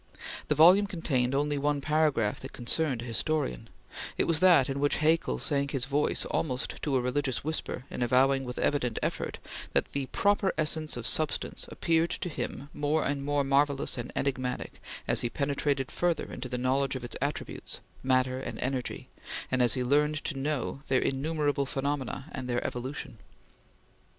The volume contained only one paragraph that concerned a historian; it was that in which Haeckel sank his voice almost to a religious whisper in avowing with evident effort, that the "proper essence of substance appeared to him more and more marvellous and enigmatic as he penetrated further into the knowledge of its attributes matter and energy and as he learned to know their innumerable phenomena and their evolution."